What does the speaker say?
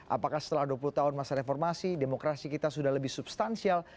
apakah setelah dua puluh tahun masa reformasi demokrasi kita sudah lebih substansial